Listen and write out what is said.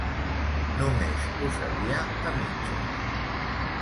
Només ho sabia a mitges.